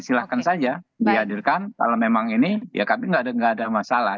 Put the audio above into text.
silahkan saja dihadirkan kalau memang ini ya kami nggak ada masalah